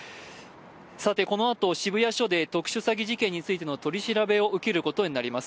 さてこのあと、渋谷署で特殊詐欺事件についての取り調べを受けることになります。